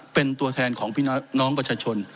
เป็นตัวแทนของพี่น้องประชาชน